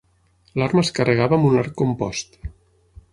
L'arma es carregava amb un arc compost.